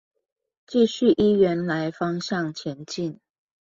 繼續依原來方向前進